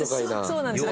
そうなんですよ。